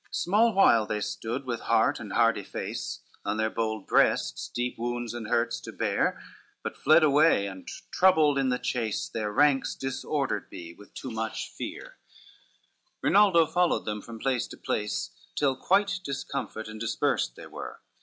LVII Small while they stood, with heart and hardy face, On their bold breasts deep wounds and hurts to bear, But fled away, and troubled in the chase Their ranks disordered be with too much fear: Rinaldo followed them from place to place, Till quite discomfit and dispersed they were.